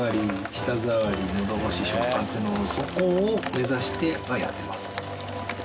舌触りのどごし食感ってのそこを目指してはやってます。